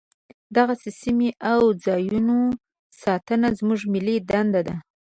دغسې سیمو او ځاینونو ساتنه زموږ ملي دنده ده.